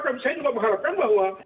tapi saya juga mengharapkan bahwa